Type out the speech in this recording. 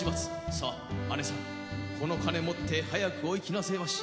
さァ、姐さん、この金持って、早くお行きなせえまし。